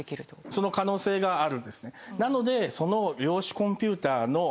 その可能性があるんですねなのでその。